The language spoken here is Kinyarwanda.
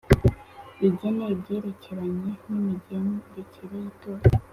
Rigena ibyerekeranye n’imigendekere y’itora